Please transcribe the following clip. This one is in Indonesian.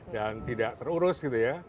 dan tidak terurus gitu ya